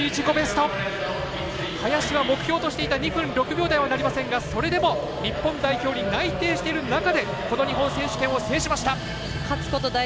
林は目標としていた２分６秒台になりませんでしたが代表に内定している中でこの日本選手権を制しました。